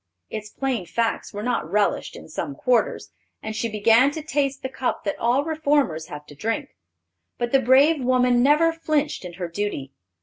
Its plain facts were not relished in some quarters, and she began to taste the cup that all reformers have to drink; but the brave woman never flinched in her duty.